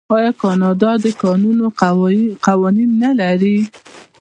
آیا کاناډا د کانونو قوانین نلري؟